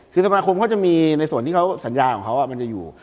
คือธรรมาคมเขาจะมีในส่วนที่สัญญาของเขาจะอยู่